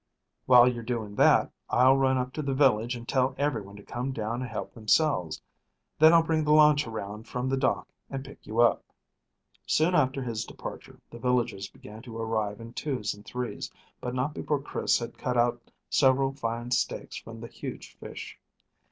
While you're doing that, I'll run up to the village and tell everyone to come down and help themselves, then I'll bring the launch around from the dock and pick you up." Soon after his departure the villagers began to arrive in twos and threes, but not before Chris had cut out several fine steaks from the huge fish.